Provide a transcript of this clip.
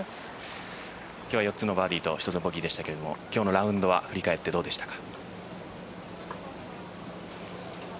今日は４つのバーディーと１つのボギーでしたが今日のラウンドは振り返ってどうでしたか？